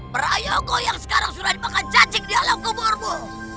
berdaya aku yang sekarang sudah dimakan cacik di alam kuburmu